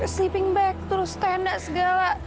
sleeping bag terus tenda segala